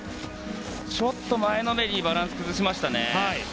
ちょっと前のめりにバランス崩しましたね。